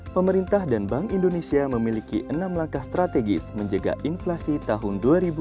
pemerintah dan bank indonesia memiliki enam langkah strategis menjaga inflasi tahun dua ribu dua puluh